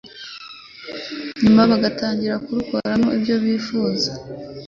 nyuma bagatangira kurukoramo ibyo bifuza.